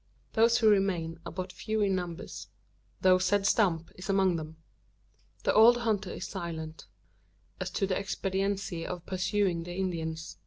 Those who remain are but few in number; though Zeb Stump is among them. The old hunter is silent, as to the expediency of pursuing the Indians.